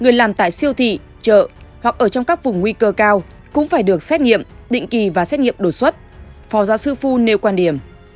người làm tại siêu thị chợ hoặc ở trong các vùng nguy cơ cao cũng phải được xét nghiệm định kỳ và xét nghiệm đột xuất phó giáo sư phu nêu quan điểm